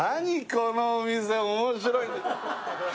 このお店面白い